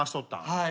はい。